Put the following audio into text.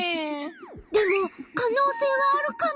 でも可能性はあるカモ。